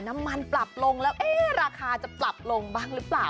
น้ำมันปรับลงแล้วราคาจะปรับลงบ้างหรือเปล่า